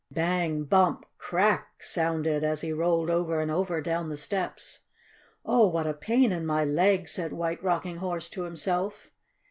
"Bang! Bump! Crack!" sounded he rolled over and over down the steps. "Oh, what a pain in my leg!" said White Rocking Horse to himself.